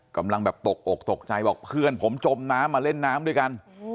กำลังแบบตกอกตกใจบอกเพื่อนผมจมน้ำมาเล่นน้ำด้วยกัน